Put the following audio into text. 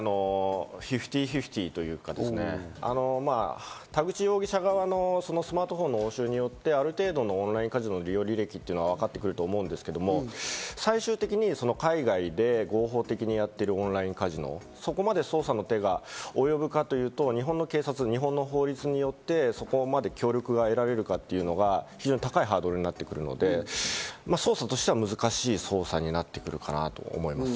フィフティーフィフティーというか、田口容疑者側のスマートフォンの押収によってオンラインカジノ利用履歴というのがわかってくると思うんですけど、最終的に海外で合法的にやっているオンラインカジノ、そこまで捜査の手が及ぶかというと、日本の警察、日本の法律によってそこまで協力が得られるかというのが非常に高いハードルになってくるので、捜査としては難しい捜査になってくるかなと思います。